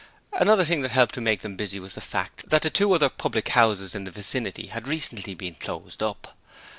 Another thing that helped to make them busy was the fact that two other public houses in the vicinity had recently been closed up.